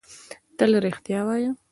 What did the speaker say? تل رښتیا وایۀ!